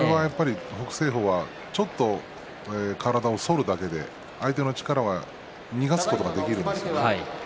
北青鵬はちょっと体を反るだけで相手の力を逃がすことができるんです。